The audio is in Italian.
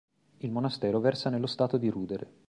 Il monastero versa nello stato di rudere.